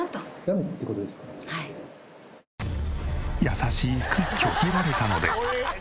やさしく拒否られたので。